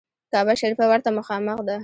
کعبه شریفه ورته مخامخ ده.